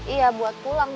iya buat pulang